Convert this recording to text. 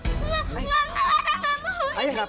aduh enggak mau di penjara